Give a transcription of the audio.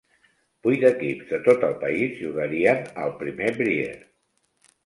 Vuit equips de tot el país jugarien al primer Brier.